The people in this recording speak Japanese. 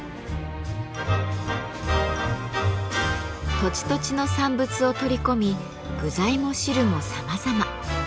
土地土地の産物を取り込み具材も汁もさまざま。